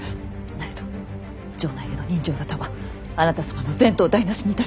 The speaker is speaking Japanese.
なれど城内での刃傷沙汰はあなた様の前途を台なしにいたします。